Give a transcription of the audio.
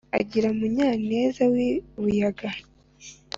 Agira Munyaneza w'i Buyaga: